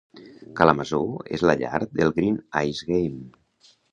Kalamazoo és la llar del "Green Ice Game".